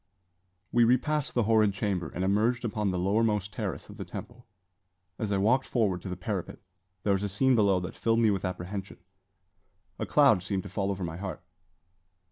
We repassed the horrid chamber, and emerged upon the lowermost terrace of the temple. As I walked forward to the parapet, there was a scene below that filled me with apprehension. A cloud seemed to fall over my heart.